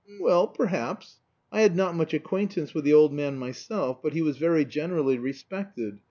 "Well perhaps. I had not much acquaintance with the old man myself, but he was very generally respected.